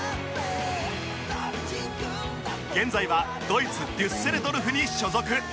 現在はドイツデュッセルドルフに所属